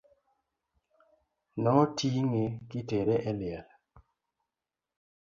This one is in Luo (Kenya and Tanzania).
No ting'e kitere e liel.